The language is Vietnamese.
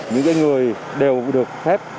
những người đều được phép